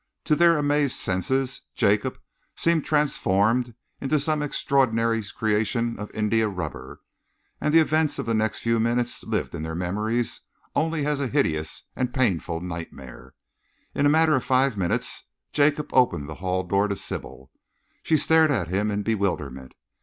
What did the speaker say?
To their amazed senses, Jacob seemed transformed into some extraordinary creation of india rubber, and the events of the next few minutes lived in their memories only as a hideous and painful nightmare.... In a matter of five minutes, Jacob opened the hall door to Sybil. She stared at him in bewilderment.